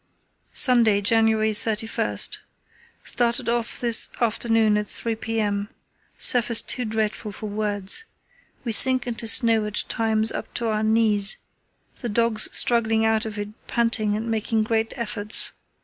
"Sunday, January 31.—Started off this afternoon at 3 p.m. Surface too dreadful for words. We sink into snow at times up to our knees, the dogs struggling out of it panting and making great efforts.